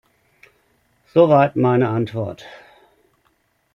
Soweit meine Antwort.